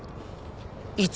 「いつ」